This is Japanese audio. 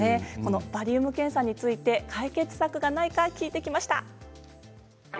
バリウム検査について解決策がないか、聞いてきました。